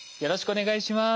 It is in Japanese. お願いします。